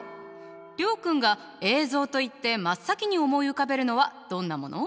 諒君が映像といって真っ先に思い浮かべるのはどんなもの？